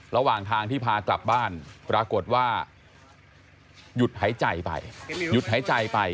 ระหว่างทางที่พากลับบ้านปรากฏว่าหยุดหายใจไป